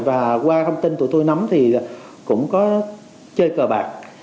và qua thông tin tụi tôi nắm thì cũng có chơi cờ bạc